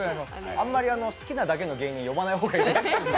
あんまり好きなだけの芸人を呼ばない方がいいと思います。